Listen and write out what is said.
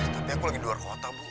tapi aku lagi luar kota bu